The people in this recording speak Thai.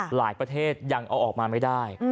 ประเทศยังเอาออกมาไม่ได้